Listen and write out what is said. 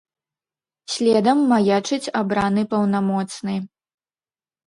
Следам маячыць абраны паўнамоцны.